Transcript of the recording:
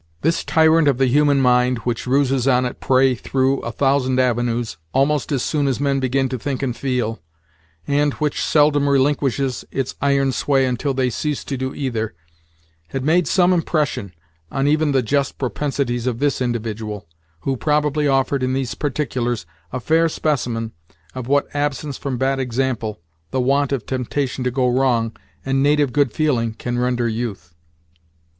This tyrant of the human mind, which ruses on it prey through a thousand avenues, almost as soon as men begin to think and feel, and which seldom relinquishes its iron sway until they cease to do either, had made some impression on even the just propensities of this individual, who probably offered in these particulars, a fair specimen of what absence from bad example, the want of temptation to go wrong, and native good feeling can render youth.